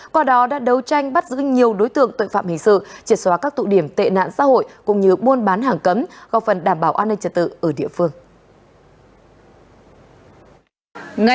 qua đó đã đấu tranh bắt giữ nhiều đối tượng tội phạm hình sự triệt xóa các tụ điểm tệ nạn xã hội cũng như buôn bán hàng cấm góp phần đảm bảo an ninh trật tự ở địa phương